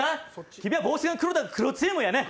君は帽子が黒だから黒チームやね。